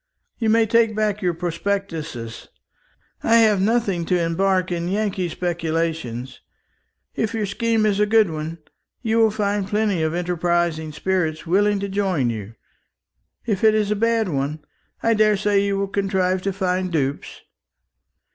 You may take back your prospectuses. I have nothing to embark in Yankee speculations. If your scheme is a good one, you will find plenty of enterprising spirits willing to join you; if it is a bad one, I daresay you will contrive to find dupes.